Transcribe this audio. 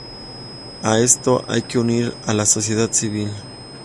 A esto hay que unir a la sociedad civil